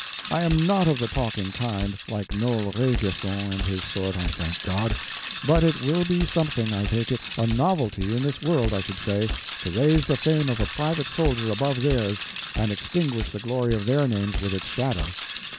I am not of the talking kind, like Noel Rainguesson and his sort, I thank God. But it will be something, I take it—a novelty in this world, I should say—to raise the fame of a private soldier above theirs, and extinguish the glory of their names with its shadow."